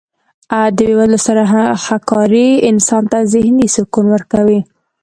د بې وزلو سره هکاري انسان ته ذهني سکون ورکوي.